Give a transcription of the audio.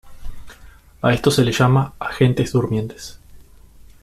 A estos se les llama "agentes durmientes".